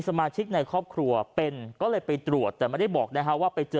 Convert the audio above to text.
สมาชิกในครอบครัวเป็นก็เลยไปตรวจแต่ไม่ได้บอกนะฮะว่าไปเจอ